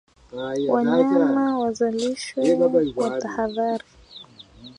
Wanyama wazalishwe kwa tahadhari